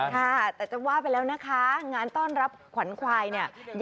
ค่ะแต่จะว่าไปแล้วนะคะงานต้อนรับขวัญควายเนี่ย